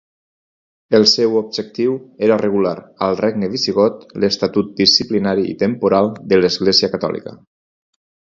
El seu objectiu era regular al regne visigot l'estatut disciplinari i temporal de l'església catòlica.